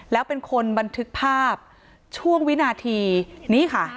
แล้วเป็นคนบันทึกภาพช่วงวินาทีนี้ค่ะ